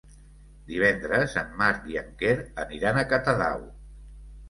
Divendres en Marc i en Quer aniran a Catadau.